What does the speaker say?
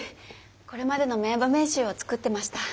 これまでの名場面集を作ってました。